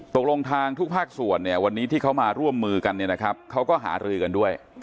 ตกลงทางทุกภาคส่วนวันนี้ที่เขามาร่วมมือกันเขาก็หารือกันด้วย